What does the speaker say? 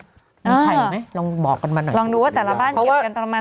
มีไข่ไหมลองบอกกันมาหน่อยลองดูว่าแต่ละบ้านเกี่ยวกันประมาณเท่าไหร่